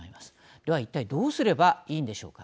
では、一体どうすればいいんでしょうか。